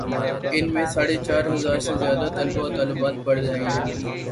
ان میں ساڑھے چار ہزار سے زیادہ طلبا و طالبات پڑھ رہے ہیں۔